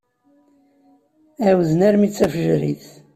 Ɛawzen armi d tafejrit.